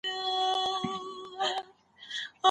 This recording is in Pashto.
اولاد مو صالح کيږي.